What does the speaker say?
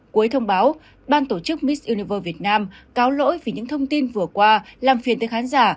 cuối thông báo ban tổ chức miss univer việt nam cáo lỗi vì những thông tin vừa qua làm phiền tới khán giả